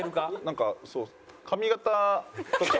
なんか髪形とか。